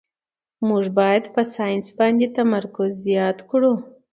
موږ باید په ساینس باندې تمرکز زیات کړو